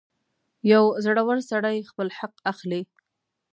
• یو زړور سړی خپل حق اخلي.